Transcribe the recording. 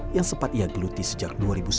yang sempat ia geluti sejak dua ribu sebelas